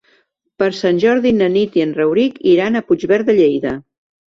Per Sant Jordi na Nit i en Rauric iran a Puigverd de Lleida.